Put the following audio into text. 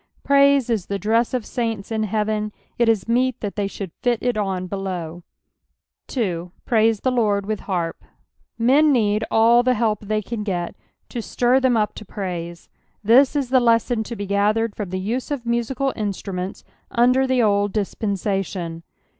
^Praise is the dress of saints in heaven, it is meet that they should fit it on belowN 2. '• Praise the Lord with harp." Men need alt the help the^Tan get to Stir tbem up to praise. This is the lesson to he gathered from the use of musical inatmments under the old dispensation.